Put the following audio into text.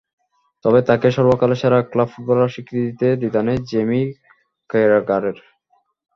তবে তাঁকে সর্বকালের সেরা ক্লাব ফুটবলারের স্বীকৃতি দিতে দ্বিধা নেই জ্যামি ক্যারাঘারের।